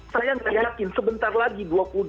saya yakin sebentar lagi